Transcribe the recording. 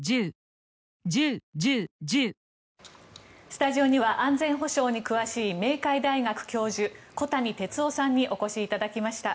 スタジオには安全保障に詳しい明海大学教授、小谷哲男さんにお越しいただきました。